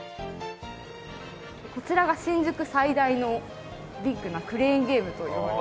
こちらが新宿最大のビッグなクレーンゲームといわれていて。